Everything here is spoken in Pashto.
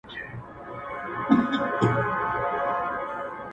• ماتول یې ښکلي لوښي او چاینکي,